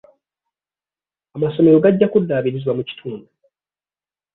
Amasomero gajja kuddaabirizibwa mu kitundu.